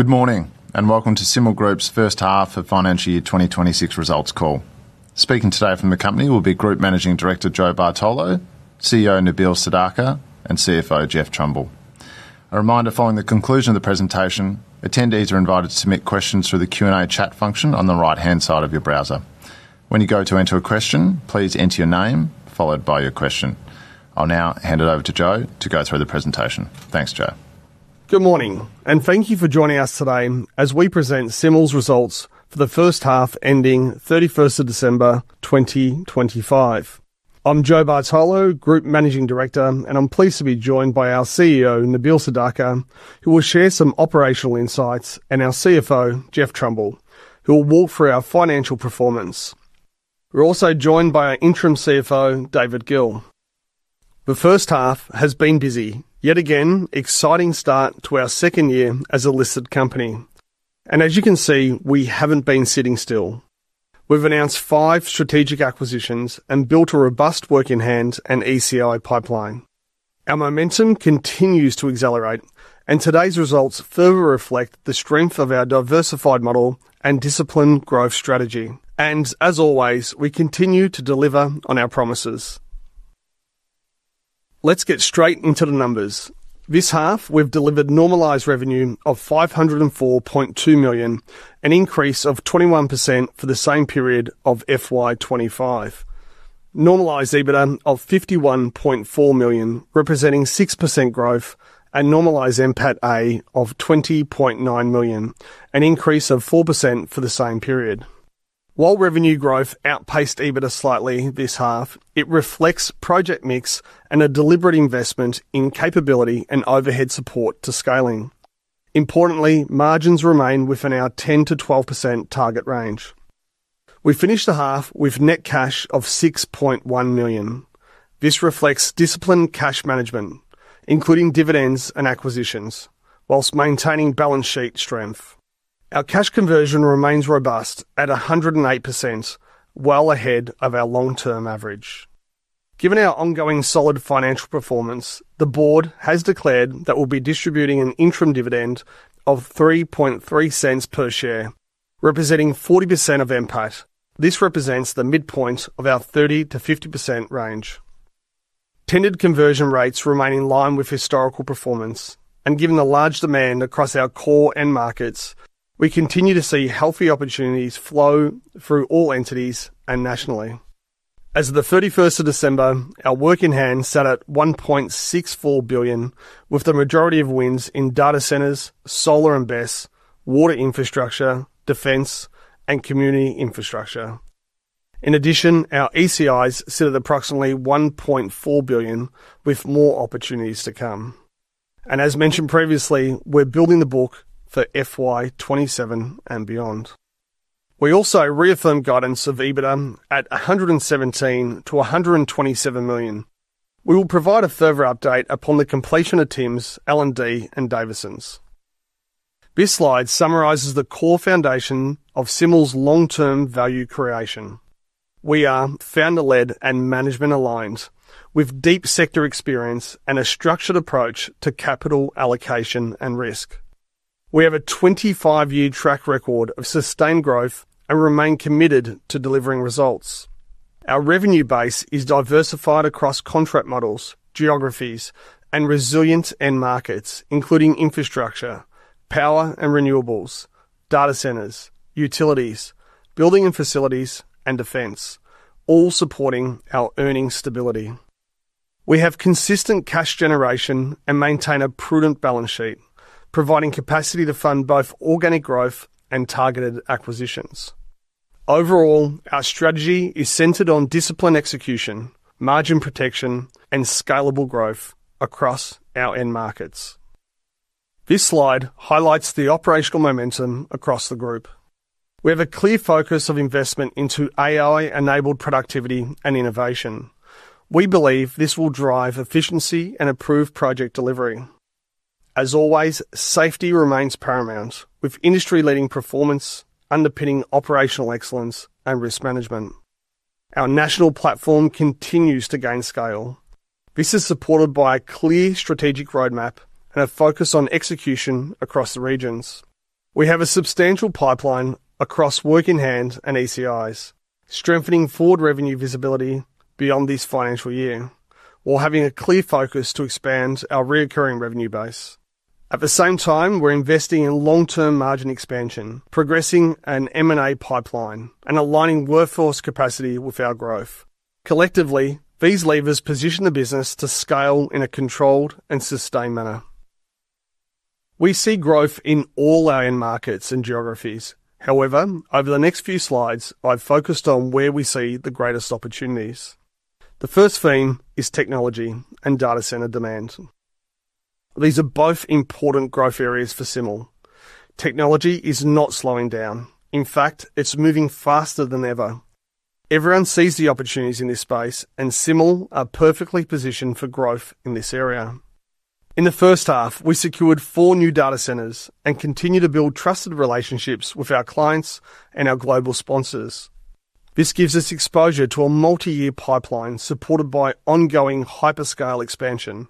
Good morning, welcome to Symal Group's First Half of Financial Year 2026 Results Call. Speaking today from the company will be Group Managing Director, Joe Bartolo, CEO, Nabeel Sadaka, and CFO, Geoff Trumbull. A reminder, following the conclusion of the presentation, attendees are invited to submit questions through the Q&A chat function on the right-hand side of your browser. When you go to enter a question, please enter your name, followed by your question. I'll now hand it over to Joe to go through the presentation. Thanks, Joe. Good morning, thank you for joining us today as we present Symal's Results for the First Half, ending 31st of December, 2025. I'm Joe Bartolo, Group Managing Director, I'm pleased to be joined by our CEO, Nabeel Sadaka, who will share some operational insights, our CFO, Geoff Trumbull, who will walk through our financial performance. We're also joined by our Interim CFO, David Gill. The first half has been busy. Yet again, exciting start to our second year as a listed company, as you can see, we haven't been sitting still. We've announced five strategic acquisitions and built a robust work in hand and ECI pipeline. Our momentum continues to accelerate, today's results further reflect the strength of our diversified model and disciplined growth strategy. As always, we continue to deliver on our promises. Let's get straight into the numbers. This half, we've delivered normalized revenue of 504.2 million, an increase of 21% for the same period of FY 2025. Normalized EBITDA of 51.4 million, representing 6% growth and normalized NPAT A of 20.9 million, an increase of 4% for the same period. Revenue growth outpaced EBITDA slightly this half, it reflects project mix and a deliberate investment in capability and overhead support to scaling. Importantly, margins remain within our 10%-12% target range. We finished the half with net cash of 6.1 million. This reflects disciplined cash management, including dividends and acquisitions, while maintaining balance sheet strength. Our cash conversion remains robust at 108%, well ahead of our long-term average. Given our ongoing solid financial performance, the board has declared that we'll be distributing an interim dividend of 0.033 per share, representing 40% of NPAT. This represents the midpoint of our 30%-50% range. Tended conversion rates remain in line with historical performance. Given the large demand across our core end markets, we continue to see healthy opportunities flow through all entities and nationally. As of December 31, our work in hand sat at 1.64 billion, with the majority of wins in data centers, solar and BESS, water infrastructure, defense, and community infrastructure. In addition, our ECIs sit at approximately 1.4 billion, with more opportunities to come. As mentioned previously, we're building the book for FY 2027 and beyond. We also reaffirmed guidance of EBITDA at $117 million-$127 million. We will provide a further update upon the completion of Timms, L&D, and Davisons. This slide summarizes the core foundation of Symal's long-term value creation. We are founder-led and management aligned with deep sector experience and a structured approach to capital allocation and risk. We have a 25-year track record of sustained growth and remain committed to delivering results. Our revenue base is diversified across contract models, geographies, and resilient end markets, including infrastructure, power and renewables, data centers, utilities, building and facilities, and defense, all supporting our earnings stability. We have consistent cash generation and maintain a prudent balance sheet, providing capacity to fund both organic growth and targeted acquisitions. Overall, our strategy is centered on disciplined execution, margin protection, and scalable growth across our end markets. This slide highlights the operational momentum across the group. We have a clear focus of investment into AI-enabled productivity and innovation. We believe this will drive efficiency and improve project delivery. As always, safety remains paramount, with industry-leading performance underpinning operational excellence and risk management. Our national platform continues to gain scale. This is supported by a clear strategic roadmap and a focus on execution across the regions. We have a substantial pipeline across work in hand and ECIs, strengthening forward revenue visibility beyond this financial year, while having a clear focus to expand our recurring revenue base. At the same time, we're investing in long-term margin expansion, progressing an M&A pipeline, and aligning workforce capacity with our growth. Collectively, these levers position the business to scale in a controlled and sustained manner. We see growth in all our end markets and geographies. However, over the next few slides, I've focused on where we see the greatest opportunities. The first theme is technology and data center demand. These are both important growth areas for Symal. Technology is not slowing down. In fact, it's moving faster than ever. Everyone sees the opportunities in this space, and Symal are perfectly positioned for growth in this area. In the first half, we secured four new data centers and continue to build trusted relationships with our clients and our global sponsors.... This gives us exposure to a multi-year pipeline supported by ongoing hyperscale expansion.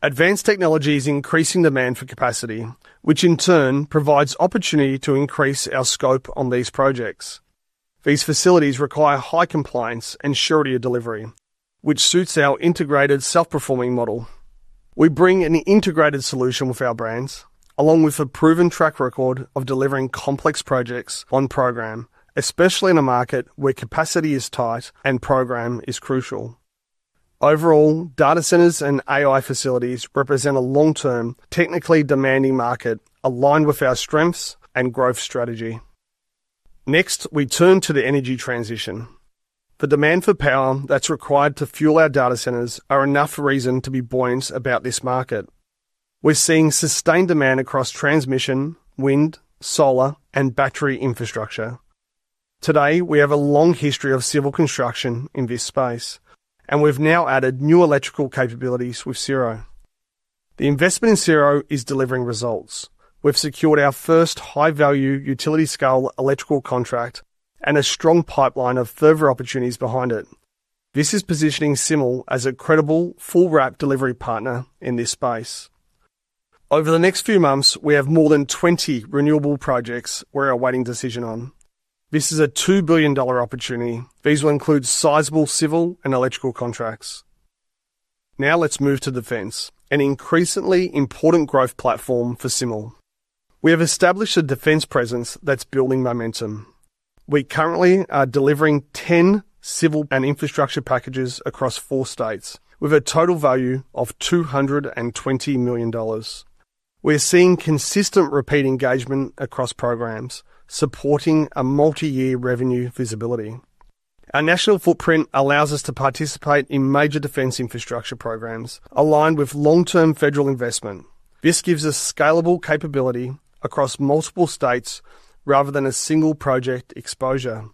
Advanced technology is increasing demand for capacity, which in turn provides opportunity to increase our scope on these projects. These facilities require high compliance and surety of delivery, which suits our integrated self-performing model. We bring an integrated solution with our brands, along with a proven track record of delivering complex projects on program, especially in a market where capacity is tight and program is crucial. Overall, data centers and AI facilities represent a long-term, technically demanding market aligned with our strengths and growth strategy. Next, we turn to the energy transition. The demand for power that's required to fuel our data centers are enough reason to be buoyant about this market. We're seeing sustained demand across transmission, wind, solar, and battery infrastructure. Today, we have a long history of civil construction in this space, and we've now added new electrical capabilities with CROE. The investment in CROE is delivering results. We've secured our first high-value, utility-scale electrical contract and a strong pipeline of further opportunities behind it. This is positioning Symal as a credible, full-wrap delivery partner in this space. Over the next few months, we have more than 20 renewable projects we're awaiting decision on. This is a $2 billion opportunity. These will include sizable civil and electrical contracts. Now let's move to defense, an increasingly important growth platform for Symal. We have established a defense presence that's building momentum. We currently are delivering 10 civil and infrastructure packages across four states, with a total value of $220 million. We're seeing consistent repeat engagement across programs, supporting a multi-year revenue visibility. Our national footprint allows us to participate in major defense infrastructure programs aligned with long-term federal investment. This gives us scalable capability across multiple states rather than a single project exposure.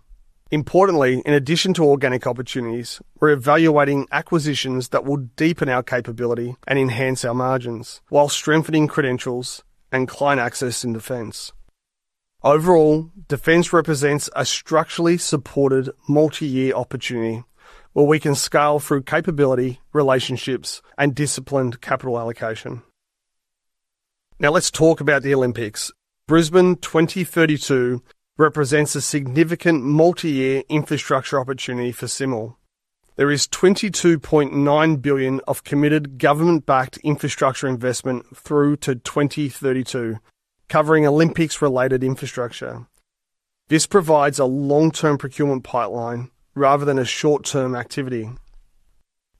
Importantly, in addition to organic opportunities, we're evaluating acquisitions that will deepen our capability and enhance our margins while strengthening credentials and client access in defense. Overall, defense represents a structurally supported multi-year opportunity where we can scale through capability, relationships, and disciplined capital allocation. Now let's talk about the Olympics. Brisbane 2032 represents a significant multi-year infrastructure opportunity for Symal. There is 22.9 billion of committed government-backed infrastructure investment through to 2032, covering Olympics-related infrastructure. This provides a long-term procurement pipeline rather than a short-term activity.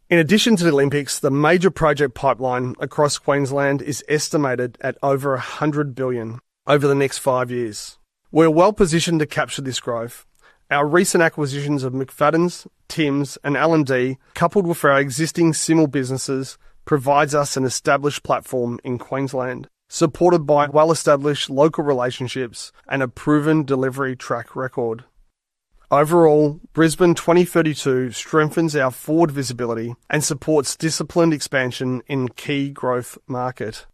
In addition to the Olympics, the major project pipeline across Queensland is estimated at over 100 billion over the next five years. We're well-positioned to capture this growth. Our recent acquisitions of McFadyens, Timms, and L&D, coupled with our existing Symal businesses, provides us an established platform in Queensland, supported by well-established local relationships and a proven delivery track record. Overall, Brisbane 2032 strengthens our forward visibility and supports disciplined expansion in key growth market.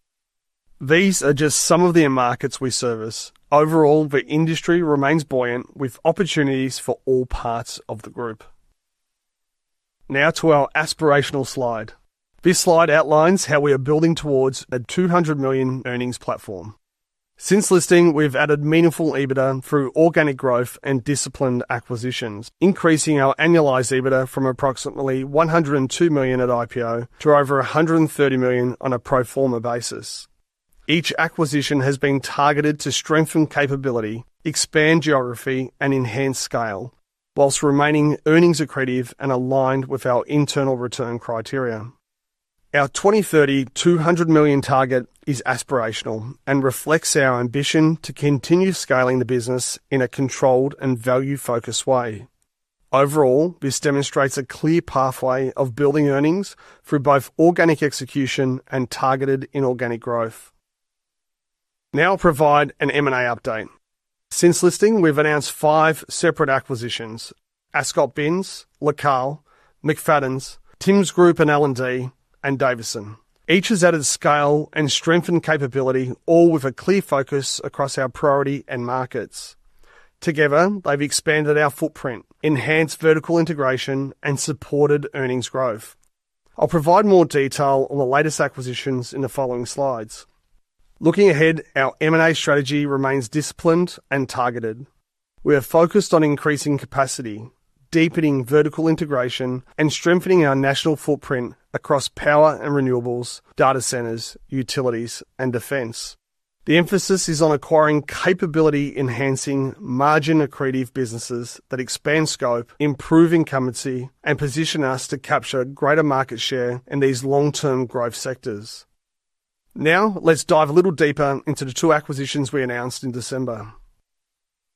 These are just some of the markets we service. Overall, the industry remains buoyant, with opportunities for all parts of the group. Now to our aspirational slide. This slide outlines how we are building towards a 200 million earnings platform. Since listing, we've added meaningful EBITDA through organic growth and disciplined acquisitions, increasing our annualized EBITDA from approximately 102 million at IPO to over 130 million on a pro forma basis. Each acquisition has been targeted to strengthen capability, expand geography, and enhance scale whilst remaining earnings accretive and aligned with our internal return criteria. Our 2030, 200 million target is aspirational and reflects our ambition to continue scaling the business in a controlled and value-focused way. Overall, this demonstrates a clear pathway of building earnings through both organic execution and targeted inorganic growth. Now I'll provide an M&A update. Since listing, we've announced five separate acquisitions: Ascot Bins, Locale Civil, McFadyens, Timms Group and L&D, and Davison. Each has added scale and strengthened capability, all with a clear focus across our priority and markets. Together, they've expanded our footprint, enhanced vertical integration, and supported earnings growth. I'll provide more detail on the latest acquisitions in the following slides. Looking ahead, our M&A strategy remains disciplined and targeted. We are focused on increasing capacity, deepening vertical integration, and strengthening our national footprint across power and renewables, data centers, utilities, and defense. The emphasis is on acquiring capability, enhancing margin accretive businesses that expand scope, improve incumbency, and position us to capture greater market share in these long-term growth sectors. Let's dive a little deeper into the two acquisitions we announced in December.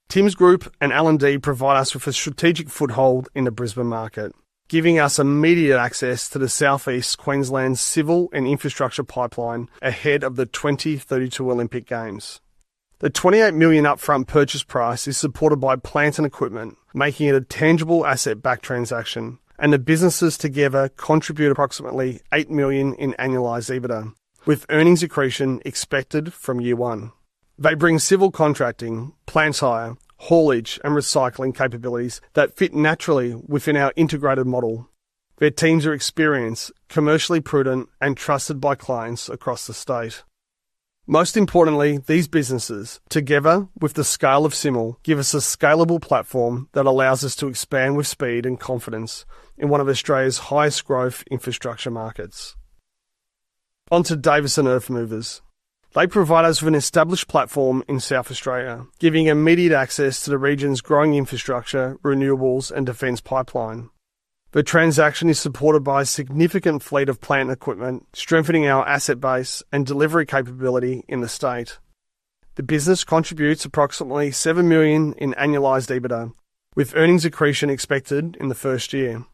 Timms Group, L&D provide us with a strategic foothold in the Brisbane market, giving us immediate access to the Southeast Queensland civil and infrastructure pipeline ahead of the 2032 Olympic Games. The 28 million upfront purchase price is supported by plant and equipment, making it a tangible asset-backed transaction, and the businesses together contribute approximately 8 million in annualized EBITDA, with earnings accretion expected from year one. They bring civil contracting, plant hire, haulage, and recycling capabilities that fit naturally within our integrated model. Their teams are experienced, commercially prudent, and trusted by clients across the state. Most importantly, these businesses, together with the scale of Symal, give us a scalable platform that allows us to expand with speed and confidence in one of Australia's highest growth infrastructure markets. On to Davison Earthmovers. They provide us with an established platform in South Australia, giving immediate access to the region's growing infrastructure, renewables, and defense pipeline. The transaction is supported by a significant fleet of plant and equipment, strengthening our asset base and delivery capability in the state. The business contributes approximately 7 million in annualized EBITDA, with earnings accretion expected in the first year.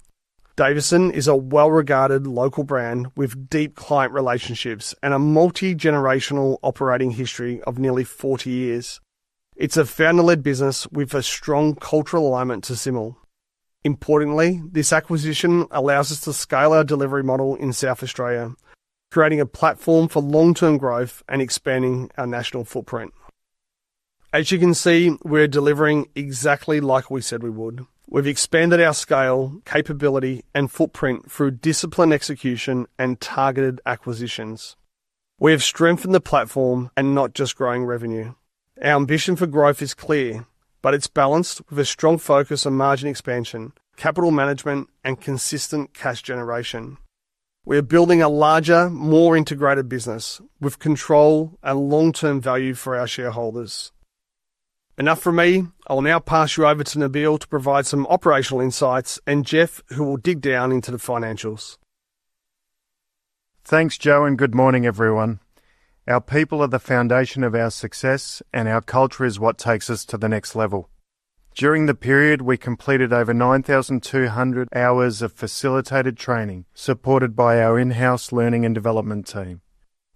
Davison is a well-regarded local brand with deep client relationships and a multi-generational operating history of nearly 40 years. It's a founder-led business with a strong cultural alignment to Symal. Importantly, this acquisition allows us to scale our delivery model in South Australia, creating a platform for long-term growth and expanding our national footprint. As you can see, we're delivering exactly like we said we would. We've expanded our scale, capability, and footprint through disciplined execution and targeted acquisitions. We have strengthened the platform and not just growing revenue. Our ambition for growth is clear, but it's balanced with a strong focus on margin expansion, capital management, and consistent cash generation. We are building a larger, more integrated business with control and long-term value for our shareholders. Enough from me. I will now pass you over to Nabil to provide some operational insights, and Geoff, who will dig down into the financials. Thanks, Joe, and good morning, everyone. Our people are the foundation of our success, and our culture is what takes us to the next level. During the period, we completed over 9,200 hours of facilitated training, supported by our in-house learning and development team,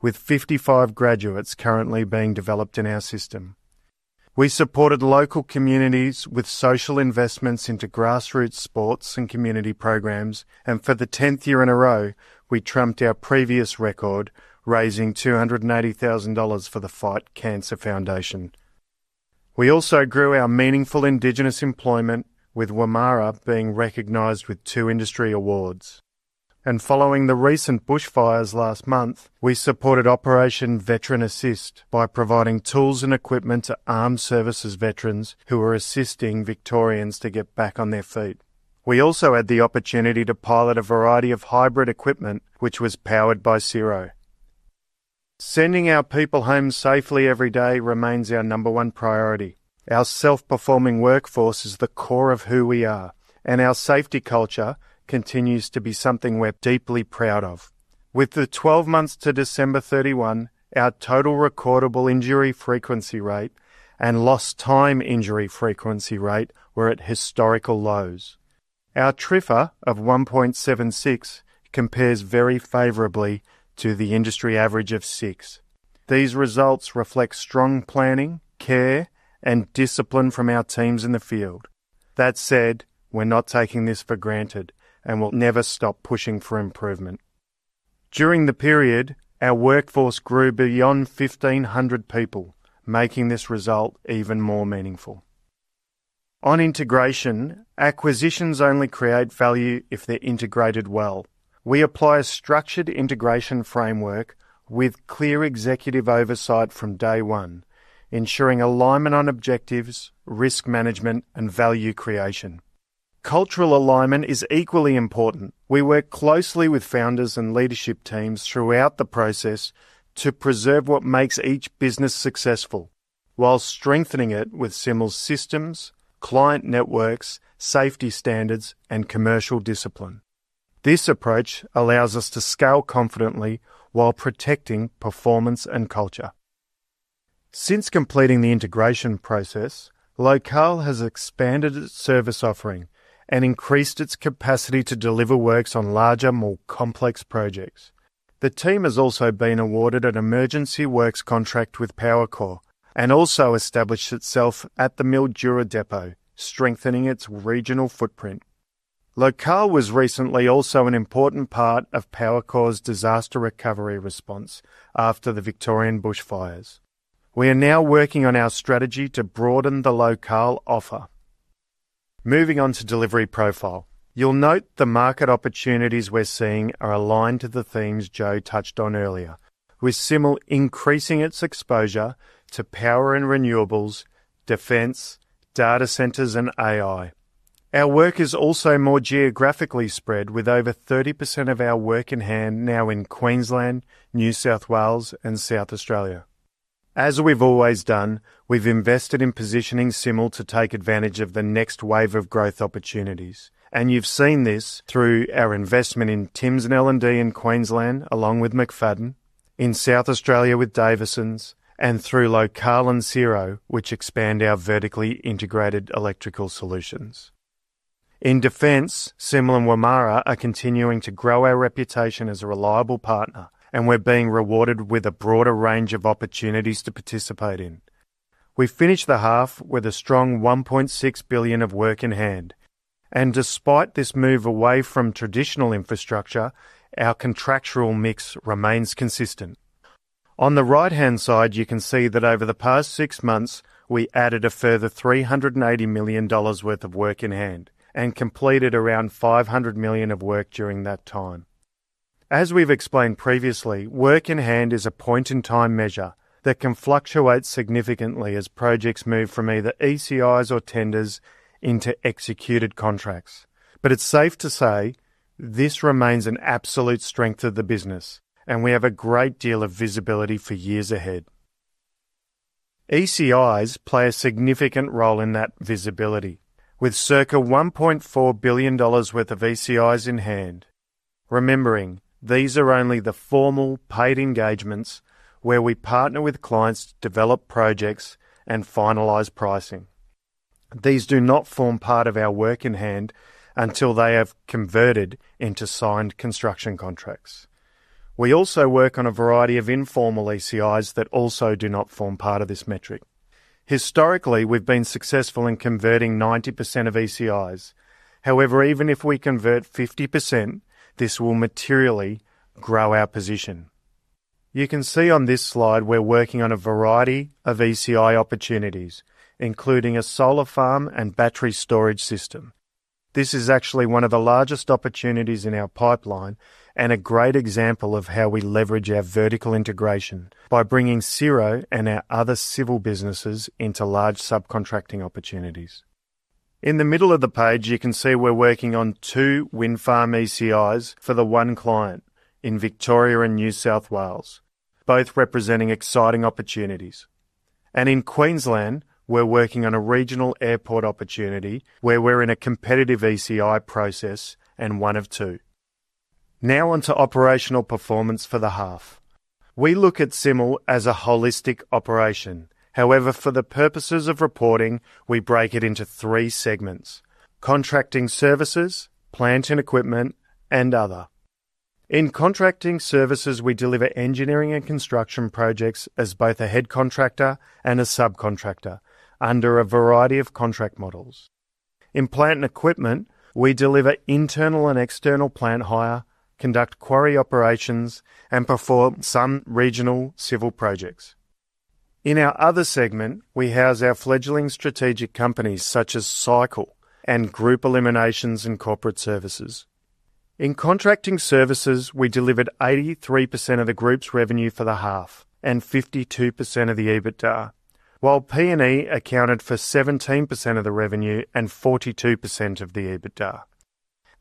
with 55 graduates currently being developed in our system. We supported local communities with social investments into grassroots sports and community programs, and for the 10th year in a row, we trumped our previous record, raising $280,000 for the Fight Cancer Foundation. We also grew our meaningful Indigenous employment, with Wamarra being recognized with two industry awards. Following the recent bushfires last month, we supported Operation Veteran Assist by providing tools and equipment to armed services veterans who were assisting Victorians to get back on their feet. We also had the opportunity to pilot a variety of hybrid equipment, which was powered by Searo. Sending our people home safely every day remains our number one priority. Our self-performing workforce is the core of who we are, and our safety culture continues to be something we're deeply proud of. With the 12 months to December 31, our total recordable injury frequency rate and lost time injury frequency rate were at historical lows. Our TRIFR of 1.76 compares very favorably to the industry average of 6. These results reflect strong planning, care, and discipline from our teams in the field. That said, we're not taking this for granted and will never stop pushing for improvement. During the period, our workforce grew beyond 1,500 people, making this result even more meaningful. On integration, acquisitions only create value if they're integrated well. We apply a structured integration framework with clear executive oversight from day one, ensuring alignment on objectives, risk management, and value creation. Cultural alignment is equally important. We work closely with founders and leadership teams throughout the process to preserve what makes each business successful while strengthening it with Symal's systems, client networks, safety standards, and commercial discipline. This approach allows us to scale confidently while protecting performance and culture. Since completing the integration process, Locale has expanded its service offering and increased its capacity to deliver works on larger, more complex projects. The team has also been awarded an emergency works contract with Powercor and also established itself at the Mildura Depot, strengthening its regional footprint. Locale was recently also an important part of Powercor's disaster recovery response after the Victorian bushfires. We are now working on our strategy to broaden the Locale offer. Moving on to delivery profile. You'll note the market opportunities we're seeing are aligned to the themes Joe touched on earlier, with Symal increasing its exposure to power and renewables, defense, data centers, and AI. Our work is also more geographically spread, with over 30% of our work in hand now in Queensland, New South Wales, and South Australia. As we've always done, we've invested in positioning Symal to take advantage of the next wave of growth opportunities, and you've seen this through our investment in Timms & L&D in Queensland, along with McFadyen, in South Australia with Davisons, and through Locale and Searo, which expand our vertically integrated electrical solutions. In defense, Symal and Wamarra are continuing to grow our reputation as a reliable partner, and we're being rewarded with a broader range of opportunities to participate in. We finished the half with a strong 1.6 billion of work in hand, and despite this move away from traditional infrastructure, our contractual mix remains consistent. On the right-hand side, you can see that over the past six months, we added a further 380 million dollars worth of work in hand and completed around 500 million of work during that time. As we've explained previously, work in hand is a point-in-time measure that can fluctuate significantly as projects move from either ECIs or tenders into executed contracts. It's safe to say, this remains an absolute strength of the business, and we have a great deal of visibility for years ahead. ECIs play a significant role in that visibility, with circa 1.4 billion dollars worth of ECIs in hand. Remembering, these are only the formal paid engagements where we partner with clients to develop projects and finalize pricing. These do not form part of our work in hand until they have converted into signed construction contracts. We also work on a variety of informal ECIs that also do not form part of this metric. Historically, we've been successful in converting 90% of ECIs. However, even if we convert 50%, this will materially grow our position. You can see on this slide, we're working on a variety of ECI opportunities, including a solar farm and battery storage system. This is actually one of the largest opportunities in our pipeline and a great example of how we leverage our vertical integration by bringing Searo and our other civil businesses into large subcontracting opportunities. In the middle of the page, you can see we're working on two wind farm ECIs for the 1 client in Victoria and New South Wales, both representing exciting opportunities. In Queensland, we're working on a regional airport opportunity where we're in a competitive ECI process and one of two. Now on to operational performance for the half. We look at Symal as a holistic operation. However, for the purposes of reporting, we break it into three segments: contracting services, plant and equipment, and other. In contracting services, we deliver engineering and construction projects as both a head contractor and a subcontractor under a variety of contract models. In plant and equipment, we deliver internal and external plant hire, conduct quarry operations, and perform some regional civil projects. In our other segment, we house our fledgling strategic companies, such as SYCLE and Group Eliminations and Corporate Services. In contracting services, we delivered 83% of the group's revenue for the half and 52% of the EBITDA, while P&E accounted for 17% of the revenue and 42% of the EBITDA.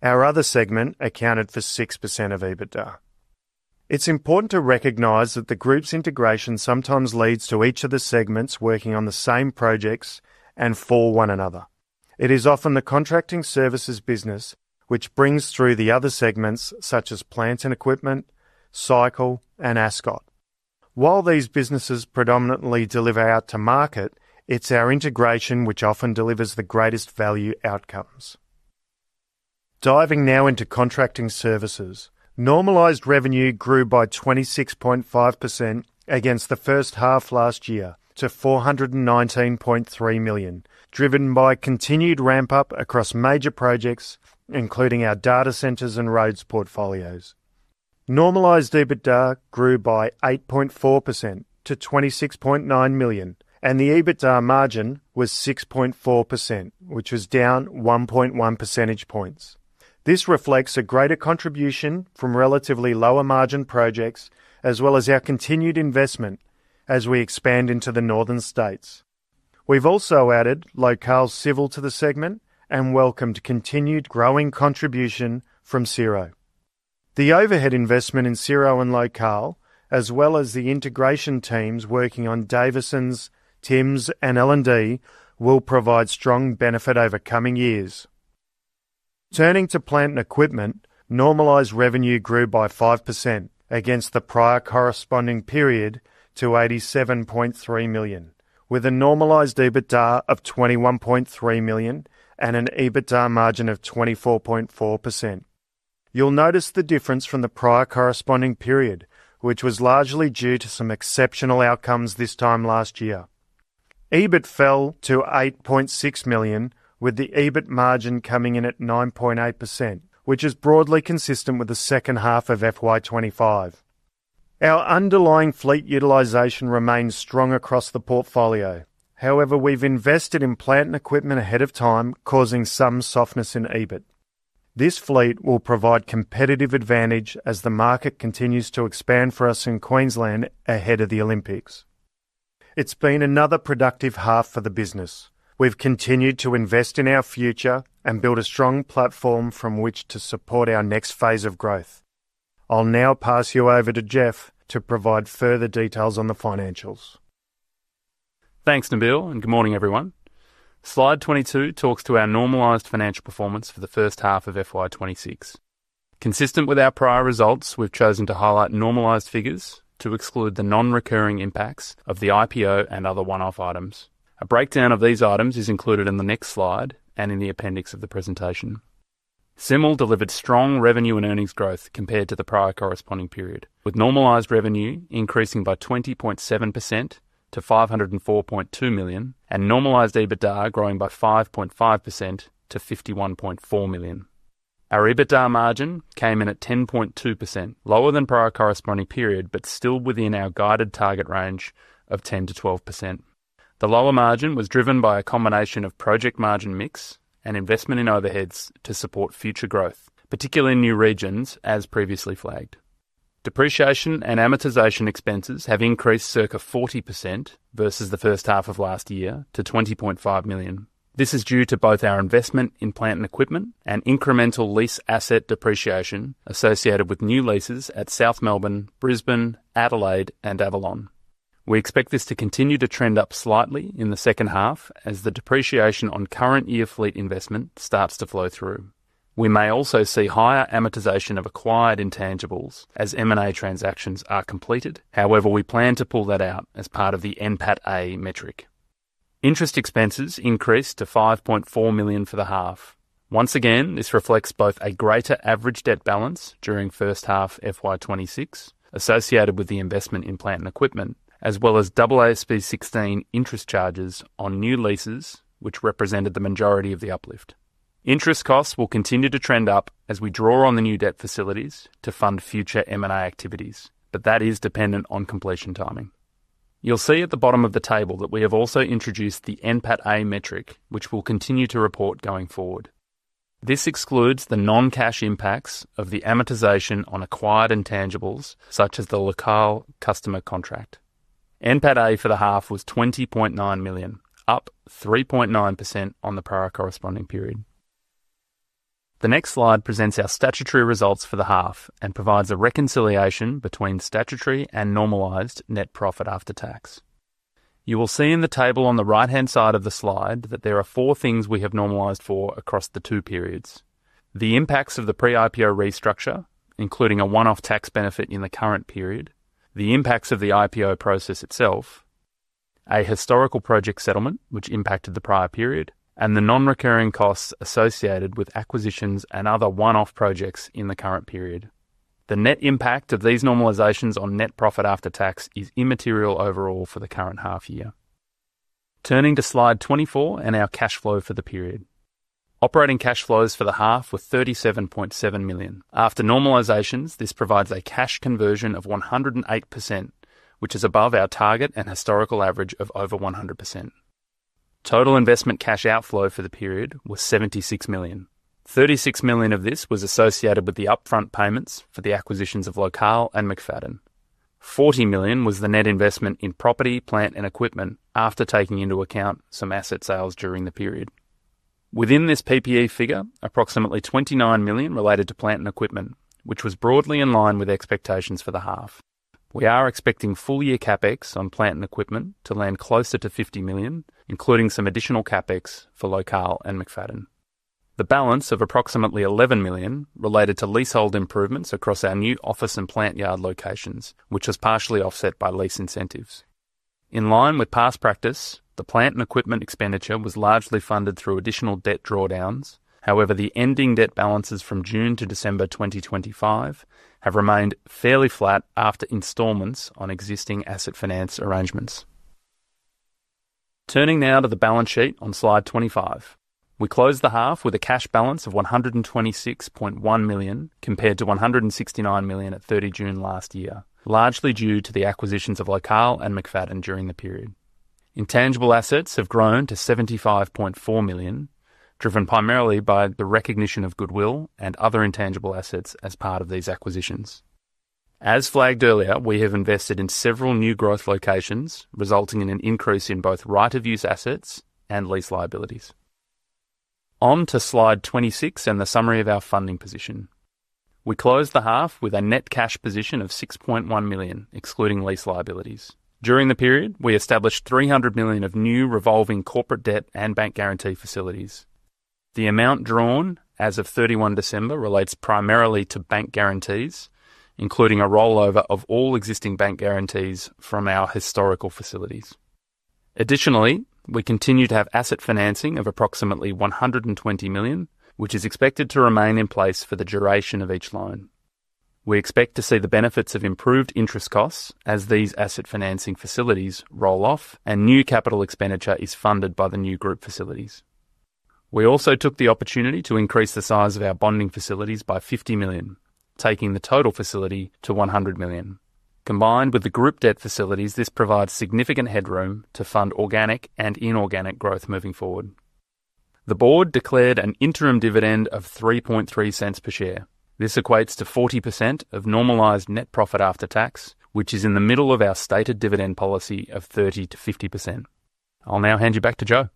Our other segment accounted for 6% of EBITDA. It's important to recognize that the group's integration sometimes leads to each of the segments working on the same projects and for one another. It is often the contracting services business which brings through the other segments, such as plant and equipment, SYCLE, and Ascot. While these businesses predominantly deliver out to market, it's our integration which often delivers the greatest value outcomes. Diving now into contracting services. Normalized revenue grew by 26.5% against the first half last year to 419.3 million, driven by continued ramp-up across major projects, including our data centers and roads portfolios. Normalized EBITDA grew by 8.4% to 26.9 million, and the EBITDA margin was 6.4%, which was down 1.1 percentage points. This reflects a greater contribution from relatively lower-margin projects, as well as our continued investment as we expand into the northern states. We've also added Locale Civil to the segment and welcomed continued growing contribution from Searo. The overhead investment in Searo and Locale, as well as the integration teams working on Davisons, Timms, and L&D, will provide strong benefit over coming years. Turning to plant and equipment, normalized revenue grew by 5% against the prior corresponding period to 87.3 million, with a normalized EBITDA of 21.3 million and an EBITDA margin of 24.4%. You'll notice the difference from the prior corresponding period, which was largely due to some exceptional outcomes this time last year. EBIT fell to 8.6 million, with the EBIT margin coming in at 9.8%, which is broadly consistent with the second half of FY 2025. Our underlying fleet utilization remains strong across the portfolio. However, we've invested in plant and equipment ahead of time, causing some softness in EBIT. This fleet will provide competitive advantage as the market continues to expand for us in Queensland ahead of the Olympics. It's been another productive half for the business. We've continued to invest in our future and build a strong platform from which to support our next phase of growth. I'll now pass you over to Geoff to provide further details on the financials. Thanks, Nabil, and good morning, everyone. Slide 22 talks to our normalized financial performance for the first half of FY 2026. Consistent with our prior results, we've chosen to highlight normalized figures to exclude the non-recurring impacts of the IPO and other one-off items. A breakdown of these items is included in the next slide and in the appendix of the presentation. Symal delivered strong revenue and earnings growth compared to the prior corresponding period, with normalized revenue increasing by 20.7% to 504.2 million, and normalized EBITDA growing by 5.5% to 51.4 million. Our EBITDA margin came in at 10.2%, lower than prior corresponding period, but still within our guided target range of 10%-12%. The lower margin was driven by a combination of project margin mix and investment in overheads to support future growth, particularly in new regions, as previously flagged. Depreciation and Amortization expenses have increased circa 40% versus the first half of last year to 20.5 million. This is due to both our investment in plant and equipment and incremental lease asset depreciation associated with new leases at South Melbourne, Brisbane, Adelaide and Avalon. We expect this to continue to trend up slightly in the second half as the depreciation on current year fleet investment starts to flow through. We may also see higher amortization of acquired intangibles as M&A transactions are completed. However, we plan to pull that out as part of the NPAT A metric. Interest expenses increased to 5.4 million for the half. Once again, this reflects both a greater average debt balance during first half FY26, associated with the investment in plant and equipment, as well as AASB 16 interest charges on new leases, which represented the majority of the uplift. Interest costs will continue to trend up as we draw on the new debt facilities to fund future M&A activities. That is dependent on completion timing. You'll see at the bottom of the table that we have also introduced the NPAT A metric, which we'll continue to report going forward. This excludes the non-cash impacts of the amortization on acquired intangibles, such as the Locale customer contract. NPAT A for the half was 20.9 million, up 3.9% on the prior corresponding period. The next slide presents our statutory results for the half and provides a reconciliation between statutory and normalized net profit after tax. You will see in the table on the right-hand side of the slide that there are four things we have normalized for across the two periods: The impacts of the pre-IPO restructure, including a one-off tax benefit in the current period, the impacts of the IPO process itself, a historical project settlement which impacted the prior period, and the non-recurring costs associated with acquisitions and other one-off projects in the current period. The net impact of these normalizations on net profit after tax is immaterial overall for the current half year. Turning to Slide 24 and our cash flow for the period. Operating cash flows for the half were 37.7 million. After normalizations, this provides a cash conversion of 108%, which is above our target and historical average of over 100%. Total investment cash outflow for the period was 76 million. 36 million of this was associated with the upfront payments for the acquisitions of Locale and McFadyen. 40 million was the net investment in property, plant, and equipment, after taking into account some asset sales during the period. Within this PPE figure, approximately 29 million related to plant and equipment, which was broadly in line with expectations for the half. We are expecting full-year CapEx on plant and equipment to land closer to 50 million, including some additional CapEx for Locale and McFadyen. The balance of approximately 11 million related to leasehold improvements across our new office and plant yard locations, which was partially offset by lease incentives. In line with past practice, the plant and equipment expenditure was largely funded through additional debt drawdowns. The ending debt balances from June to December 2025 have remained fairly flat after installments on existing asset finance arrangements. Turning now to the balance sheet on slide 25. We closed the half with a cash balance of 126.1 million, compared to 169 million at 30 June last year, largely due to the acquisitions of Locale and McFadyen during the period. Intangible assets have grown to 75.4 million, driven primarily by the recognition of goodwill and other intangible assets as part of these acquisitions. As flagged earlier, we have invested in several new growth locations, resulting in an increase in both right of use assets and lease liabilities. On to slide 26 and the summary of our funding position. We closed the half with a net cash position of 6.1 million, excluding lease liabilities. During the period, we established 300 million of new revolving corporate debt and bank guarantee facilities. The amount drawn as of 31 December relates primarily to bank guarantees, including a rollover of all existing bank guarantees from our historical facilities. Additionally, we continue to have asset financing of approximately 120 million, which is expected to remain in place for the duration of each loan. We expect to see the benefits of improved interest costs as these asset financing facilities roll off and new capital expenditure is funded by the new group facilities. We also took the opportunity to increase the size of our bonding facilities by 50 million, taking the total facility to 100 million. Combined with the group debt facilities, this provides significant headroom to fund organic and inorganic growth moving forward. The board declared an interim dividend of 0.033 per share. This equates to 40% of normalized Net Profit After Tax, which is in the middle of our stated dividend policy of 30%-50%. I'll now hand you back to Joe.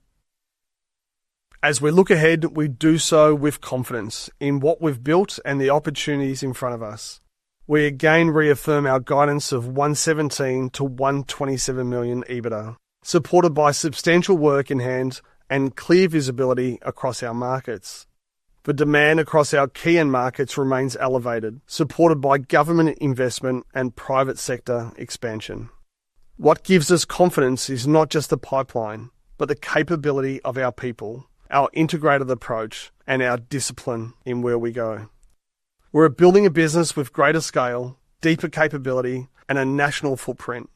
As we look ahead, we do so with confidence in what we've built and the opportunities in front of us. We again reaffirm our guidance of 117 million-127 million EBITDA, supported by substantial work in hand and clear visibility across our markets. The demand across our key end markets remains elevated, supported by government investment and private sector expansion. What gives us confidence is not just the pipeline, but the capability of our people, our integrated approach, and our discipline in where we go. We're building a business with greater scale, deeper capability, and a national footprint.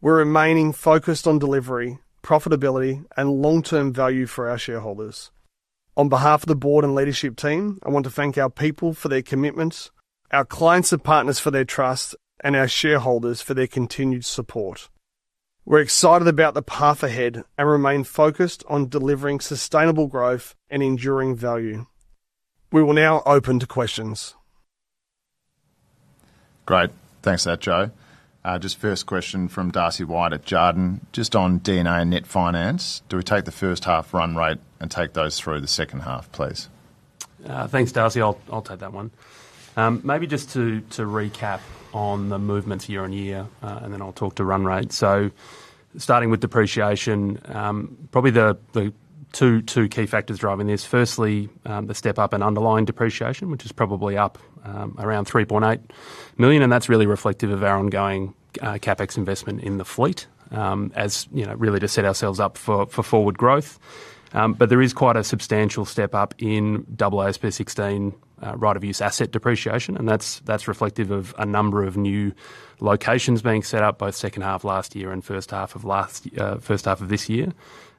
We're remaining focused on delivery, profitability, and long-term value for our shareholders. On behalf of the board and leadership team, I want to thank our people for their commitment, our clients and partners for their trust, and our shareholders for their continued support. We're excited about the path ahead and remain focused on delivering sustainable growth and enduring value. We will now open to questions. Great. Thanks for that, Joe. Just first question from Darcy White at Jarden: just on D&A and net finance, do we take the first half run rate and take those through the second half, please? Thanks, Darcy. I'll, I'll take that one. Maybe just to, to recap on the movements year-on-year, and then I'll talk to run rate. Starting with depreciation, probably the, the two, two key factors driving this. Firstly, the step up in underlying depreciation, which is probably up around 3.8 million, and that's really reflective of our ongoing CapEx investment in the fleet. As, you know, really to set ourselves up for, for forward growth. There is quite a substantial step-up in AASB 16, right of use asset depreciation, and that's, that's reflective of a number of new locations being set up, both second half last year and first half of this year.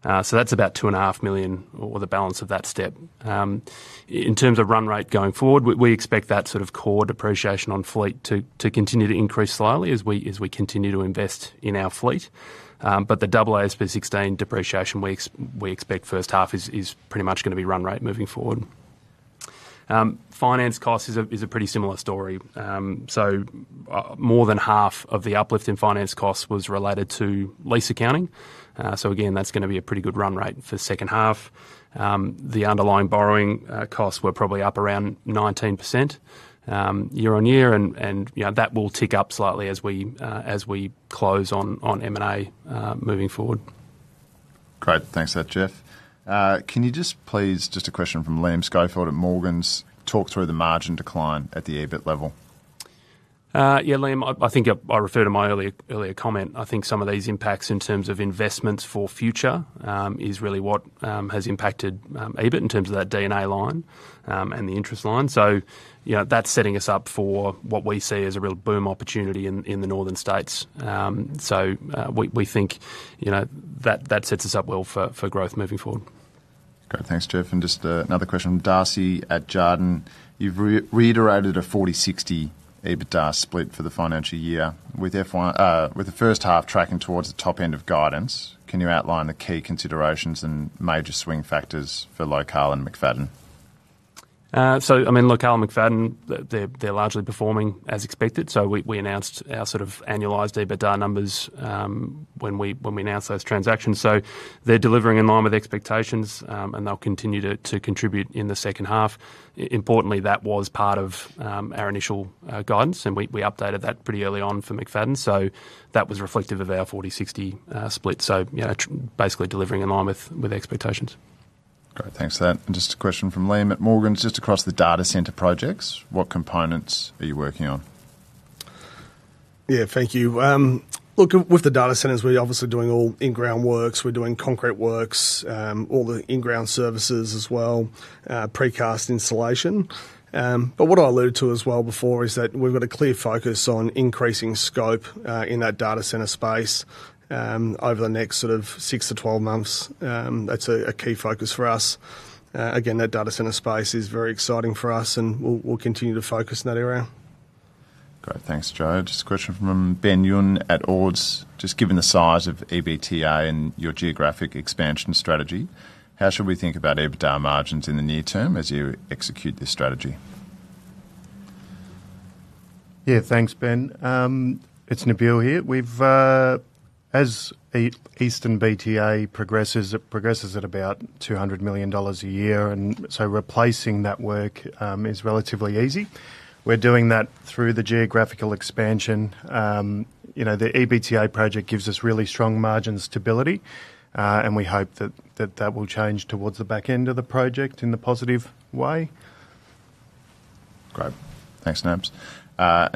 That's about 2.5 million or the balance of that step. In terms of run rate going forward, we, we expect that sort of core depreciation on fleet to continue to increase slightly as we continue to invest in our fleet. But the AASB 16 depreciation we expect first half is, is pretty much gonna be run rate moving forward. Finance cost is a pretty similar story. More than half of the uplift in finance costs was related to lease accounting. Again, that's gonna be a pretty good run rate for the second half. The underlying borrowing costs were probably up around 19% year on year, and, you know, that will tick up slightly as we close on M&A moving forward. Great. Thanks for that, Geoff. Just a question from Liam Schofield at Morgans: Talk through the margin decline at the EBIT level? Yeah, Liam, I, I think I, I referred to my earlier, earlier comment. I think some of these impacts in terms of investments for future is really what has impacted EBIT in terms of that D&A line and the interest line. You know, that's setting us up for what we see as a real boom opportunity in the northern states. We, we think, you know, that, that sets us up well for growth moving forward. Great. Thanks, Geoff, and just, another question from Darcy at Jarden: You've re-reiterated a 40-60 EBITDA split for the financial year. With the first half tracking towards the top end of guidance, can you outline the key considerations and major swing factors for Locale and McFadyen? I mean, Locale and McFadyen, they're, they're largely performing as expected. We, we announced our sort of annualized EBITDA numbers when we, when we announced those transactions. They're delivering in line with expectations, and they'll continue to, to contribute in the second half. Importantly, that was part of our initial guidance, and we, we updated that pretty early on for McFadyen, so that was reflective of our 40-60 split. You know, basically delivering in line with, with expectations. Great. Thanks for that. Just a question from Liam at Morgans: Just across the data center projects, what components are you working on? Yeah, thank you. Look, with the data centers, we're obviously doing all in-ground works. We're doing concrete works, all the in-ground services as well, precast installation. What I alluded to as well before is that we've got a clear focus on increasing scope in that data center space over the next sort of 6-12 months. That's a key focus for us. Again, that data center space is very exciting for us, and we'll, we'll continue to focus in that area. Great. Thanks, Joe. Just a question from Ben Yun at Ords: Just given the size of EBTA and your geographic expansion strategy, how should we think about EBITDA margins in the near term as you execute this strategy? Thanks, Ben. It's Nabeel here. As Eastern BTA progresses, it progresses at about 200 million dollars a year, and so replacing that work is relatively easy. We're doing that through the geographical expansion. You know, the EBTA project gives us really strong margin stability, and we hope that will change towards the back end of the project in a positive way. Great. Thanks, Nabs.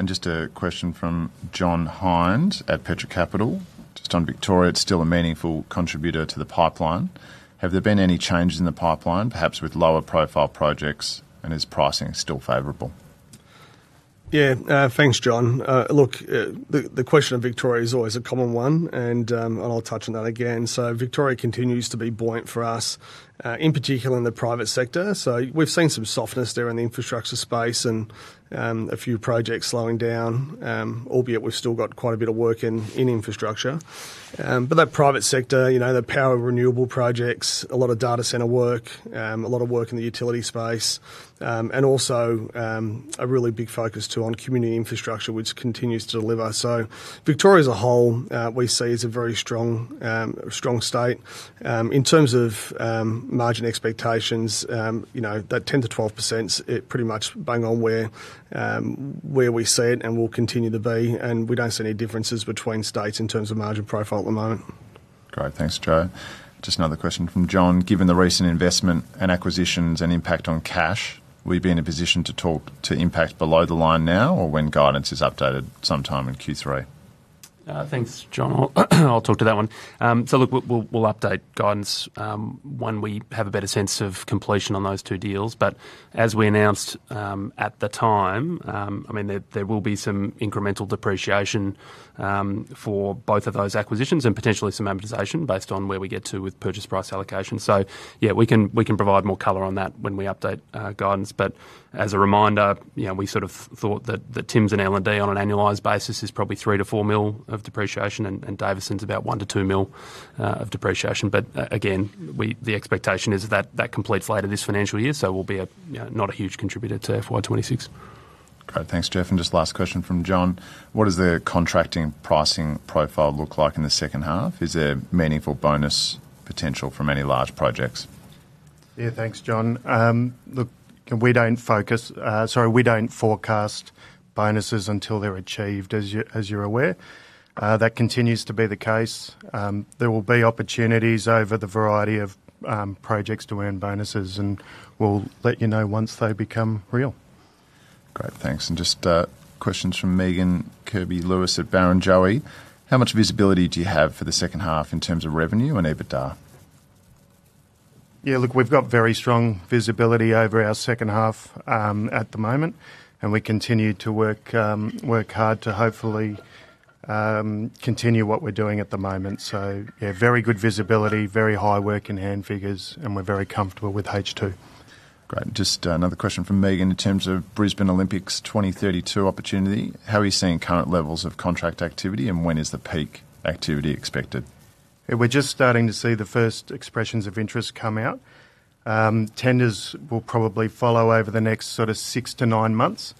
Just a question from John Hynd at Petra Capital. Just on Victoria, it's still a meaningful contributor to the pipeline. Have there been any changes in the pipeline, perhaps with lower profile projects, and is pricing still favorable? Yeah. Thanks, John. Look, the question of Victoria is always a common one, I'll touch on that again. Victoria continues to be buoyant for us, in particular in the private sector. We've seen some softness there in the infrastructure space and a few projects slowing down. Albeit we've still got quite a bit of work in infrastructure. But that private sector, you know, the power of renewable projects, a lot of data center work, a lot of work in the utility space, also a really big focus, too, on community infrastructure, which continues to deliver. Victoria, as a whole, we see is a very strong, strong state. In terms of margin expectations, you know, that 10%-12%, it pretty much bang on where, where we see it and will continue to be. We don't see any differences between states in terms of margin profile at the moment. Great. Thanks, Joe. Just another question from John: Given the recent investment and acquisitions and impact on cash, will you be in a position to talk to impact below the line now, or when guidance is updated sometime in Q3? ... Thanks, John. I'll talk to that one. Look, we'll, we'll, we'll update guidance when we have a better sense of completion on those two deals. As we announced at the time, I mean, there, there will be some incremental depreciation for both of those acquisitions and potentially some amortization based on where we get to with purchase price allocation. Yeah, we can, we can provide more color on that when we update guidance. As a reminder, you know, we sort of thought that the Timms and L&D on an annualized basis is probably 3 million-4 million of depreciation, and Davison's about 1 million-2 million of depreciation. The expectation is that that completes later this financial year, so will be a, you know, not a huge contributor to FY 2026. Great. Thanks, Geoff, and just last question from John: What is the contracting pricing profile look like in the second half? Is there meaningful bonus potential from any large projects? Yeah, thanks, John. Look, we don't focus. Sorry, we don't forecast bonuses until they're achieved, as you, as you're aware. That continues to be the case. There will be opportunities over the variety of projects to earn bonuses, and we'll let you know once they become real. Great, thanks. Just questions from Megan Kirby-Lewis at Barrenjoey: How much visibility do you have for the second half in terms of revenue and EBITDA? Yeah, look, we've got very strong visibility over our second half, at the moment, and we continue to work, work hard to hopefully, continue what we're doing at the moment. Yeah, very good visibility, very high work in hand figures, and we're very comfortable with H2. Great. Just, another question from Megan: In terms of Brisbane Olympics 2032 opportunity, how are you seeing current levels of contract activity, and when is the peak activity expected? Yeah, we're just starting to see the first expressions of interest come out. Tenders will probably follow over the next sort of 6 to 9 months,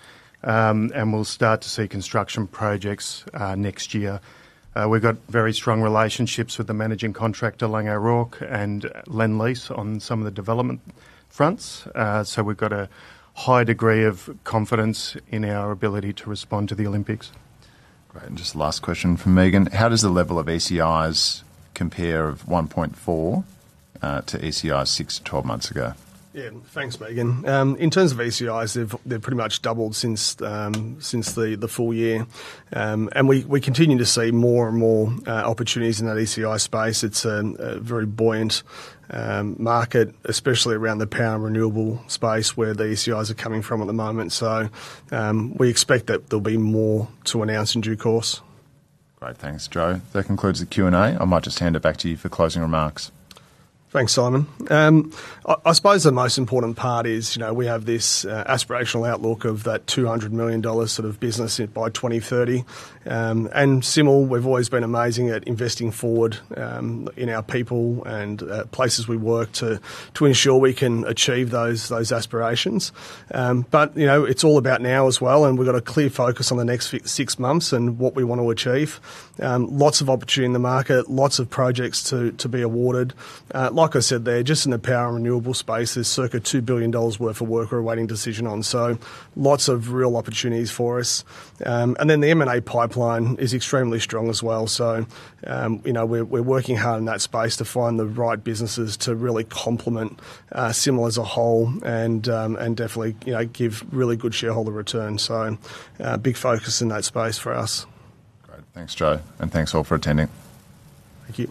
we'll start to see construction projects next year. We've got very strong relationships with the managing contractor, Laing O'Rourke, and Lendlease, on some of the development fronts. We've got a high degree of confidence in our ability to respond to the Olympics. Great, and just last question from Megan: How does the level of ECIs compare of 1.4, to ECIs 6-12 months ago? Yeah. Thanks, Megan. In terms of ECIs, they've, they've pretty much doubled since, since the, the full year. We, we continue to see more and more opportunities in that ECI space. It's a very buoyant market, especially around the power and renewable space, where the ECIs are coming from at the moment. We expect that there'll be more to announce in due course. Great. Thanks, Joe. That concludes the Q&A. I might just hand it back to you for closing remarks. Thanks, Simon. I, I suppose the most important part is, you know, we have this aspirational outlook of that 200 million dollars sort of business by 2030. Similar, we've always been amazing at investing forward in our people and places we work to ensure we can achieve those aspirations. You know, it's all about now as well, and we've got a clear focus on the next six months and what we want to achieve. Lots of opportunity in the market, lots of projects to be awarded. Like I said, there are just in the power and renewable space, there's circa 2 billion dollars worth of work we're awaiting decision on, so lots of real opportunities for us. Then the M&A pipeline is extremely strong as well. You know, we're, we're working hard in that space to find the right businesses to really complement Symal as a whole and definitely, you know, give really good shareholder returns. Big focus in that space for us. Great. Thanks, Joe, and thanks all for attending. Thank you.